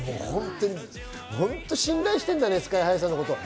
本当に信頼しているんだね、ＳＫＹ−ＨＩさんのことを。